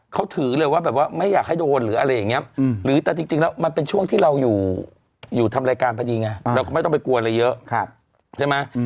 เขาถือเลยว่าแบบว่าไม่อยากให้โดนหรืออะไรอย่างนี้หรือแต่จริงแล้วมันเป็นช่วงที่เราอยู่ทำรายการพอดีไงเราก็ไม่ต้องไปกลัวอะไรเยอะใช่ไหม